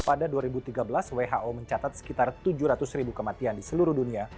pada dua ribu tiga belas who mencatat sekitar tujuh ratus ribu kematian di seluruh dunia